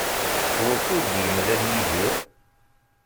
Wukud d-yemlal Yidir?